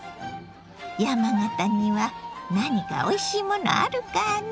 山形には何かおいしいものあるかな？